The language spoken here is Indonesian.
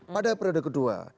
pada periode kedua